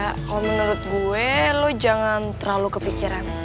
kalau menurut gue lo jangan terlalu kepikiran